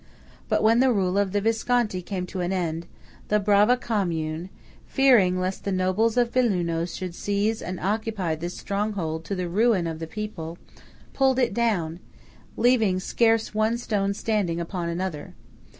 But when the rule of the Visconti came to an end, the "brava" commune, fearing lest the nobles of Belluno should seize and occupy this stronghold to the ruin of the people, pulled it down, leaving scarce one stone standing upon another.